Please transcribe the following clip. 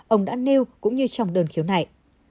ông đã nêu cũng như trong đơn khiếu này